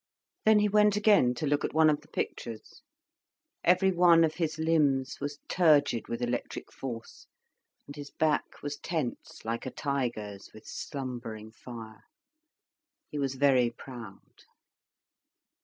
Then he went again to look at one of the pictures. Every one of his limbs was turgid with electric force, and his back was tense like a tiger's, with slumbering fire. He was very proud.